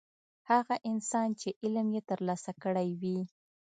هغه انسان چې علم یې ترلاسه کړی وي.